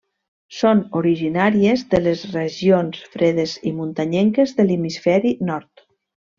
Són originàries de les regions fredes i muntanyenques de l'hemisferi nord.